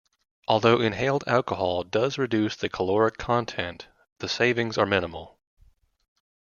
Although inhaled alcohol does reduce the caloric content, the savings are minimal.